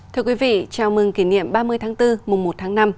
thưa quý vị chào mừng kỷ niệm ba mươi tháng bốn mùa một tháng năm